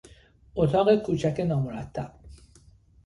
اتاق کوچک نامرتب